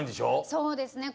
そうですね